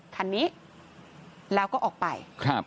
คันนี้แล้วก็ออกไป